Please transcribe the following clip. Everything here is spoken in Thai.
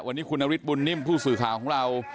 วันนี้คุณนฤทธบุญนิ่มผู้สื่อข่าวของเรา